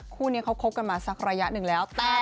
คู่นี้เขาคบกันมาสักระยะหนึ่งแล้ว